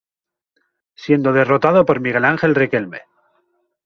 Siendo derrotado por Migue Ángel Riquelme.